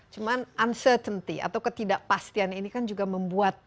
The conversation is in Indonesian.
cuma uncertainty atau ketidakpastian ini kan juga membuat